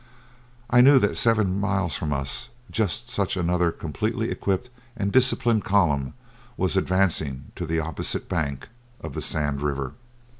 I knew that seven miles from us just such another completely equipped and disciplined column was advancing to the opposite bank of the Sand River.